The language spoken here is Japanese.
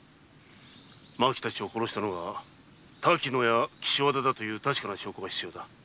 麻紀たちを殺したのが滝乃と岸和田だという確かな証拠が必要だ。